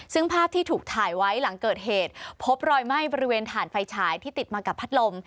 ซึ่งภาพที่ถูกถ่ายไว้หลังเกิดเหตุพบรอยไหม้บริเวณถ่านไฟฉายที่ติดมากับพัดลม